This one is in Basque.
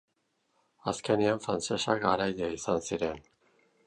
Azkenean, frantsesak garaile izan ziren.